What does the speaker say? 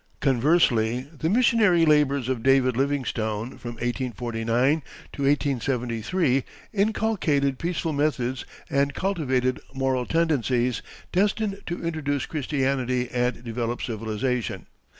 Conversely the missionary labors of David Livingstone, from 1849 to 1873, inculcated peaceful methods and cultivated moral tendencies destined to introduce Christianity and develop civilization.